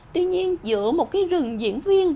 tuy nhiên giữa một cái rừng diễn viên